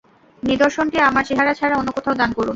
নিদর্শনটি আমার চেহারা ছাড়া অন্য কোথাও দান করুন।